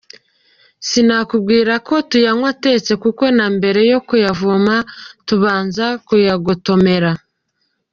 Sinakubwira ko tuyanywa atetse kuko na mbere yo kuyavoma tubanza kuyagotomera.